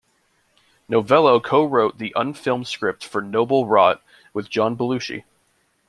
Novello co-wrote the unfilmed script for "Noble Rot", with John Belushi.